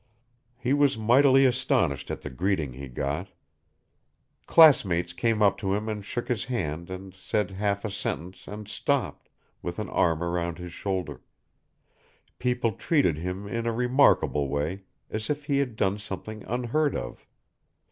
He was mightily astonished at the greeting he got. Classmates came up to him and shook his hand and said half a sentence and stopped, with an arm around his shoulder; people treated him in a remarkable way, as if he had done something unheard of.